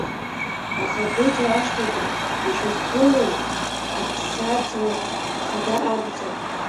Ахақәиҭра Ашҭаҿы ишьақәыргылоу Аԥсаӡҵла Хада амҵан.